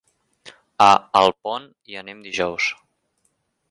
A Alpont hi anem dijous.